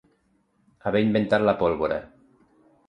Haver inventat la pólvora.